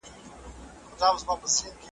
هم ډنګر وو هم له رنګه لکه سکور وو.